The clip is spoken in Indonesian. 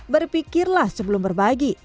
berpikirlah sebelum berbagi